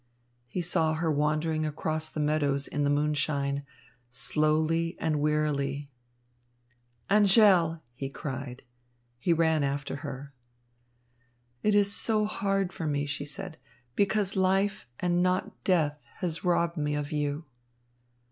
He saw her wandering across the meadows in the moonshine, slowly and wearily. "Angèle!" he cried. He ran after her. "It is so hard for me," she said, "because life and not death has robbed me of you."